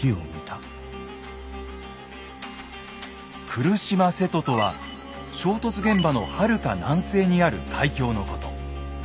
「来島瀬戸」とは衝突現場のはるか南西にある海峡のこと。